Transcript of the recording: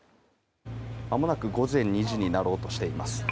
まもなく午前２時になろうとしています。